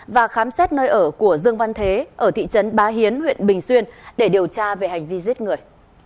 và khám xét nơi ở của dương văn thế ở thị trấn bá hiến huyện bình xuyên để điều tra về hành vi giết người